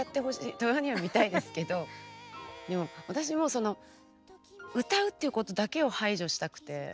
たまには見たいですけどでも私もその歌うっていうことだけを排除したくて。